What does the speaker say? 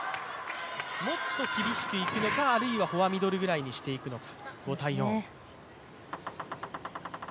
もっと厳しくいくのか、あるいはフォアミドルくらいにしていくのか。